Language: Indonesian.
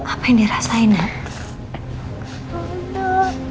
apa yang dia rasain naara